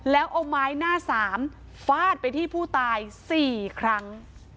แล้วเอาไม้หน้าสามฟาดไปที่ผู้ตาย๔ครั้ง